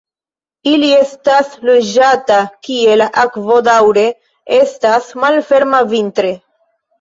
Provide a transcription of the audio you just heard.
Ili estas loĝanta kie la akvo daŭre estas malferma vintre.